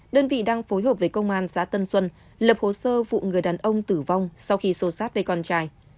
đơn vị đang phối hợp với công an xã tân xuân lập hồ sơ vụ người đàn ông tử vong sau khi xô sát với con trai